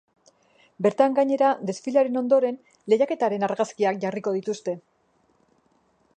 Bertan, gainera, desfilearen ondoren, lehiaketaren argazkiak jarriko dituzte.